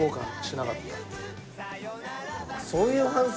そういう反省？